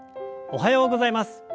おはようございます。